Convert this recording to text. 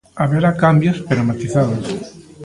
Haberá cambios, pero matizados.